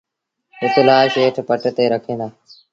اُت لآش هيٺ پٽ تي رکين دآ